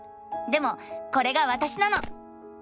でもこれがわたしなの！